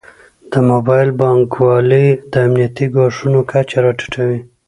د موبایل بانکوالي د امنیتي ګواښونو کچه راټیټوي.